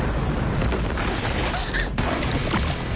あっ！